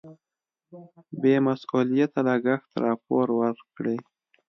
بې مسؤلیته لګښت راپور ورکړي.